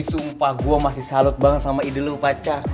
sumpah gue masih salut banget sama ide lo baca